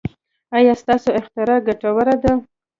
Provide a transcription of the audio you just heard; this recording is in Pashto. ایا ستاسو اختراع ګټوره ده؟